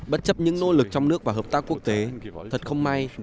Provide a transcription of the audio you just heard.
bất chấp những nỗ lực trong nước và hợp tác quốc tế thật không may